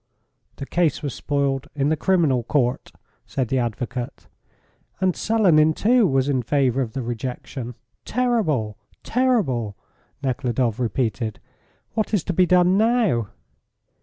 "The case was spoiled in the Criminal Court," said the advocate. "And Selenin, too, was in favour of the rejection. Terrible! terrible!" Nekhludoff repeated. "What is to be done now?"